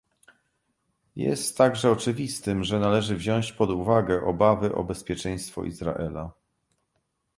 Jest także oczywistym, że należy wziąć pod uwagę obawy o bezpieczeństwo Izraela